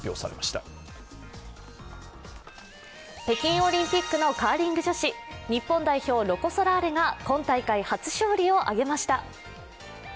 北京オリンピックのカーリング女子、日本代表、ロコ・ソラーレが今大会初勝利を挙げました。